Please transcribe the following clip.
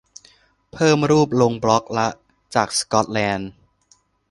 เพิ่มรูปลงบล็อกละ จากสกอตแลนด์